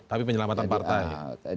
tapi penyelamatan partai